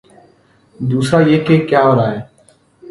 دوسرا یہ کہ کیا ہو رہا ہے۔